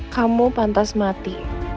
kamu pantas mati